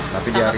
tapi di hari